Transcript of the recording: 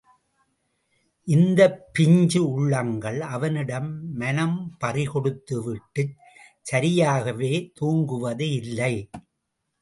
இந்தப் பிஞ்சு உள்ளங்கள், அவனிடம் மனம் பறி கொடுத்துவிட்டுச் சரியாகவே துரங்குவது இல்லை.